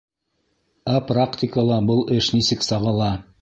— Ә практикала был эш нисек сағыла?